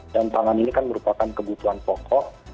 dan pangan ini kan merupakan kebutuhan pokok